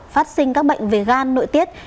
phát sinh các bệnh về gan nội tiết